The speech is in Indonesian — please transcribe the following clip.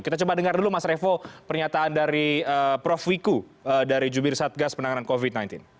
kita coba dengar dulu mas revo pernyataan dari prof wiku dari jubir satgas penanganan covid sembilan belas